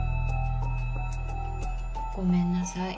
ごめんなさい。